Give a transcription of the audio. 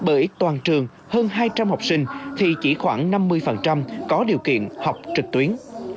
bởi toàn trường hơn hai trăm linh học sinh thì chỉ khoảng năm mươi có điều kiện học trực tuyến